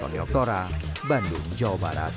tonyok tora bandung jawa barat